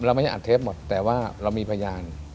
เราไม่ได้อัดเทปหมดแต่ว่าเรามีพยาน